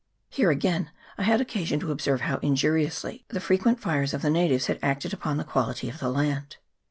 Here again I had occa sion to observe how injuriously the frequent fires of the natives had acted upon the quality of the land.